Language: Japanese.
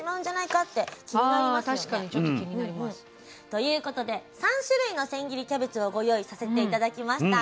ということで３種類の千切りキャベツをご用意させて頂きました。